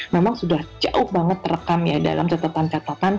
memang sudah jauh banget terekam ya dalam catatan catatan kekaisaran di tiongkok